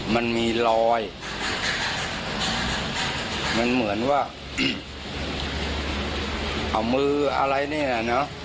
มันมีรอยมันเหมือนว่าเอามืออะไรเนี่ยเนอะ